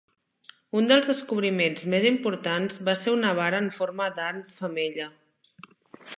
Un els descobriments més importants va ser una vara en forma d'ant femella.